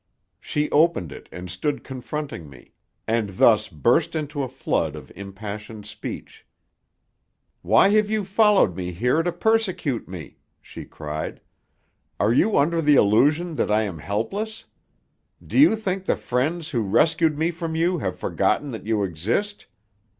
She opened it and stood confronting me; and then burst into a flood of impassioned speech. "Why have you followed me here to persecute me?" she cried. "Are you under the illusion that I am helpless? Do you think the friends who rescued me from you have forgotten that you exist?